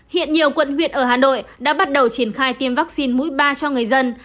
hiện nhiều quận huyện ở hà nội đã bắt đầu triển khai tiêm vaccine mũi ba cho người dân